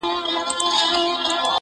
لا به چي تا پسې بهيږي اوښکي څه وکړمه!